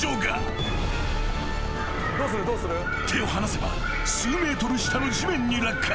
［手を離せば数ｍ下の地面に落下］